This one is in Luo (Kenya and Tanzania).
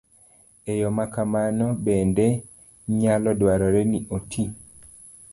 E yo ma kamano bende, nyalo dwarore ni oti